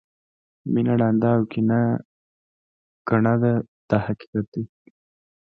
مینه ړانده او کینه کڼه ده دا حقیقت دی.